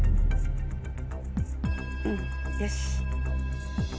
うんよし。